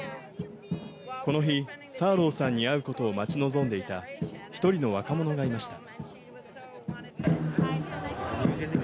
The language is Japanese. この日、サーローさんに会うことを待ち望んでいた１人の若者がいました。